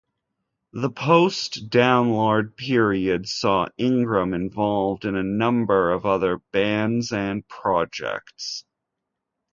The post-Downlord period saw Ingram involved in a number of other bands and projects.